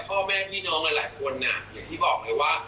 พ่อแม่ที่น้องที่บอกไว้ว่า